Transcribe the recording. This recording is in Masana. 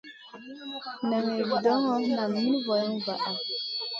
Naŋay vudoŋo, nan min vulaŋ vaʼa.